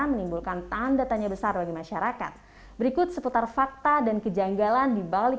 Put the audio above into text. menimbulkan tanda tanya besar bagi masyarakat berikut seputar fakta dan kejanggalan dibalik